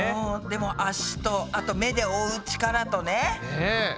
でも足とあと目で追う力とね。ね。